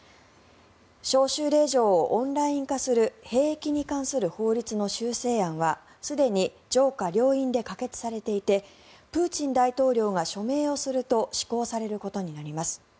招集令状をオンライン化する兵役に関する法律の修正案はすでに上下両院で可決されていてプーチン大統領が署名をすると施行されることになります。